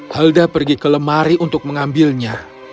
helda pergi ke lemari untuk mengambilnya